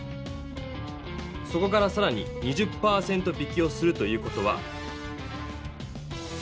そこからさらに２０％引きをするという事は。